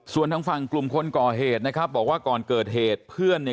ส่วนทางฝั่งกลุ่มคนก่อเหตุนะครับบอกว่าก่อนเกิดเหตุเพื่อนเนี่ย